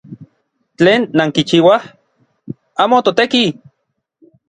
¿Tlen nankichiuaj? ¡Amo toteki!